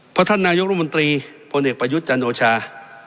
เพราะท่านนายกรมนตรีพลเอกประยุทธ์จันโอชา